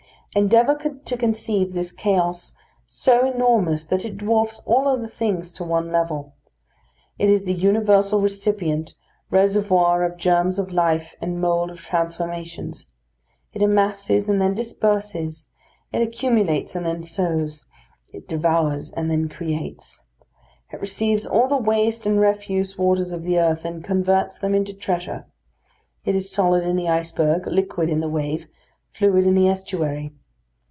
Endeavour to conceive this chaos so enormous that it dwarfs all other things to one level. It is the universal recipient, reservoir of germs of life, and mould of transformations. It amasses and then disperses, it accumulates and then sows, it devours and then creates. It receives all the waste and refuse waters of the earth, and converts them into treasure. It is solid in the iceberg, liquid in the wave, fluid in the estuary.